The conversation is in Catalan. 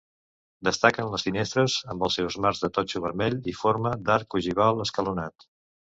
Destaquen les finestres amb els seus marcs de totxo vermell i forma d'arc ogival escalonat.